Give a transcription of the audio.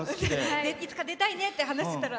いつか出たいねって話をしてたら。